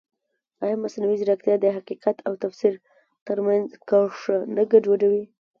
ایا مصنوعي ځیرکتیا د حقیقت او تفسیر ترمنځ کرښه نه ګډوډوي؟